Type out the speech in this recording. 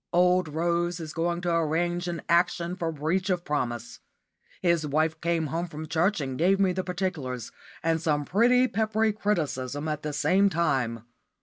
Old Rose is going to arrange an action for breach of promise. His wife came home from church and gave me the particulars, and some pretty peppery criticism at the same time.